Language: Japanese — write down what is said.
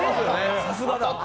さすがだ。